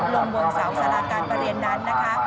ลงบนเสาสาราการประเรียนนั้นนะคะ